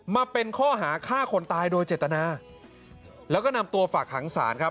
มาเป็นข้อหาฆ่าคนตายโดยเจตนาแล้วก็นำตัวฝากหางศาลครับ